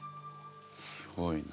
すごいな。